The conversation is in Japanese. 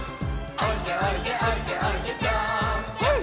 「おいでおいでおいでおいでぴょーんぴょん」